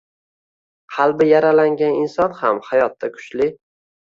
Qalbi yaralangan inson ham hayotda kuchli